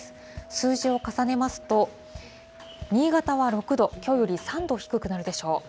数字を重ねますと、新潟は６度、きょうより３度低くなるでしょう。